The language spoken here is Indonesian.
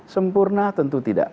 sempurna tentu tidak